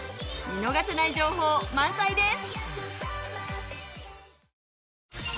見逃せない情報満載です。